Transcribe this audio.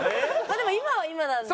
でも今は今なので！